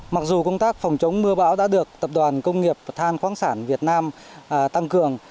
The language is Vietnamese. mặc dù công tác phòng chống mưa bão đã được tập đoàn công nghiệp than khoáng sản việt nam tăng cường